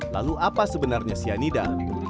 lalu apa sebenarnya cyanida